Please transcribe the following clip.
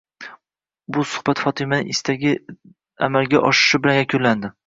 Bu suhbat Fotimaning istagi amalga oshishi bilan yakunlandi.